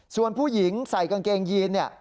ส่วนผู้หญิงใส่กางเกงยีนเนี่ย